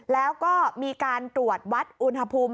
แล้วก็มีการตรวจวัดอุณหภูมิ